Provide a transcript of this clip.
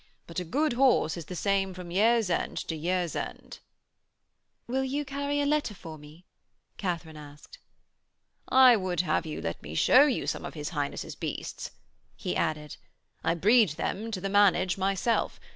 But a good horse is the same from year's end to year's end....' 'Will you carry a letter for me?' Katharine asked. 'I would have you let me show you some of his Highness' beasts,' he added. 'I breed them to the manage myself.